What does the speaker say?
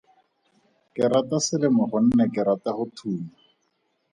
Ke rata selemo gonne ke rata go thuma.